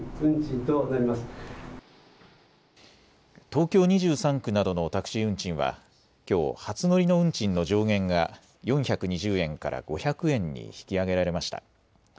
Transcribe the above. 東京２３区などのタクシー運賃はきょう初乗りの運賃の上限が４２０円から５００円に引き上げられました。